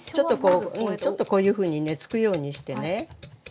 ちょっとこういうふうにね突くようにしてね。